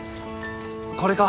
これか？